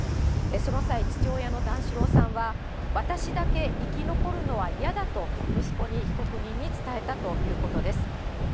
その際、父親の段四郎さんは、私だけ生き残るのは嫌だと、息子に、被告人に伝えたということです。